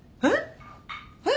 えっ？